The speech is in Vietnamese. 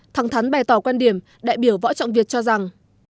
thẳng thắn bày tỏ quan điểm đại biểu võ trọng việt cho rằng